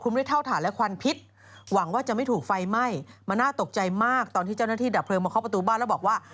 เมื่อเจ้าหน้าฮิลันกระโนกดับพลมมาเขาประตูบ้านและบอกว่า